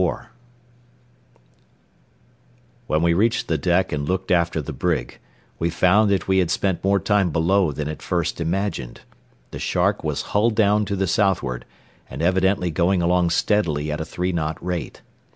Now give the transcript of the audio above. XXIV When we reached the deck and looked after the brig, we found that we had spent more time below than at first imagined. The Shark was hull down to the southward and evidently going along steadily at a three knot rate.